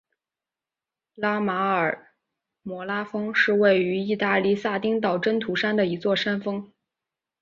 拉马尔摩拉峰是位于义大利撒丁岛真图山的一座山峰。